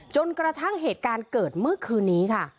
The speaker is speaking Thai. จนกระทั่งเหตุการณ์เกิดเมื่อคืนนี้ค่ะ